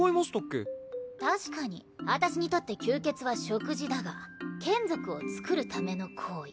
確かにあたしにとって吸血は食事だが眷属をつくるための行為。